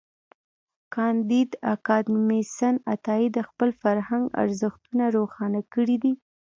کانديد اکاډميسن عطايي د خپل فرهنګ ارزښتونه روښانه کړي دي.